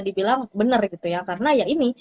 dibilang benar gitu ya karena ya ini